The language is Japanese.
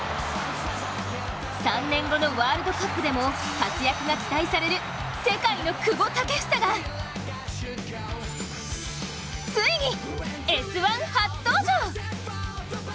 ３年後のワールドカップでも活躍が期待される世界の久保建英がついに「Ｓ☆１」初登場。